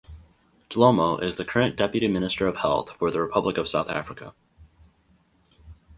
Dhlomo is the current Deputy Minister of Health for the Republic of South Africa.